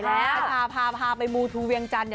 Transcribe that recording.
คัชาพาพาไปมูทูเวียงจันทร์